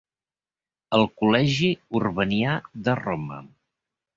El col·legi Urbanià de Roma.